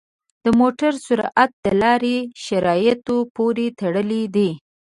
د موټر سرعت د لارې شرایطو پورې تړلی دی.